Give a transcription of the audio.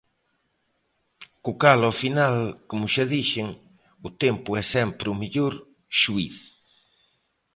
Co cal ao final, como xa dixen, o tempo é sempre o mellor xuíz.